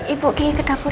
ibu ke dapur